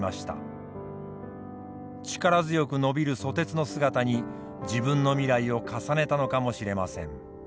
力強く伸びる蘇鉄の姿に自分の未来を重ねたのかもしれません。